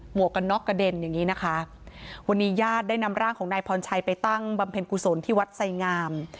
วกกันน็อกกระเด็นอย่างนี้นะคะวันนี้ญาติได้นำร่างของนายพรชัยไปตั้งบำเพ็ญกุศลที่วัดไสงาม